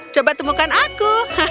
coba temukan aku